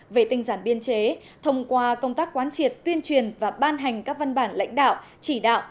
về tinh giản biên chế thông qua công tác quán triệt tuyên truyền và ban hành các văn bản lãnh đạo chỉ đạo